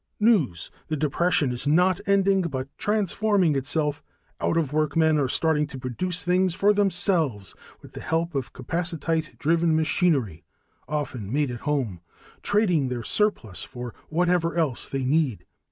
News: The depression is not ending, but transforming itself: out of work men are starting to produce things for themselves with the help of capacitite driven machinery often made at home, trading their surplus for whatever else they need.